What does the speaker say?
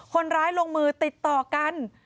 คนร้ายลงมือติดต่อกัน